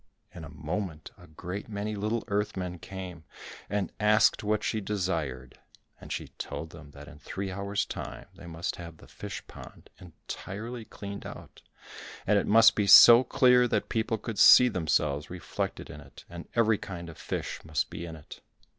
In a moment a great many little earth men came and asked what she desired, and she told them that in three hours' time, they must have the fish pond entirely cleaned out, and it must be so clear that people could see themselves reflected in it, and every kind of fish must be in it.